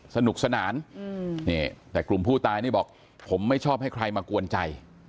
สนุกสนานแต่กลุ่มผู้ตายนี่บอกผมไม่ชอบให้ใครมากวนใจ